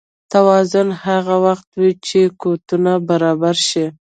توازن هغه وخت وي چې قوتونه برابر شي.